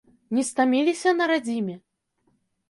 Не стаміліся на радзіме?